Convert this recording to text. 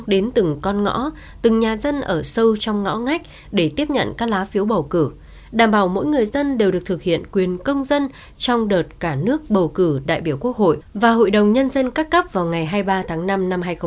đến từng con ngõ từng nhà dân ở sâu trong ngõ ngách để tiếp nhận các lá phiếu bầu cử đảm bảo mỗi người dân đều được thực hiện quyền công dân trong đợt cả nước bầu cử đại biểu quốc hội và hội đồng nhân dân các cấp vào ngày hai mươi ba tháng năm năm hai nghìn hai mươi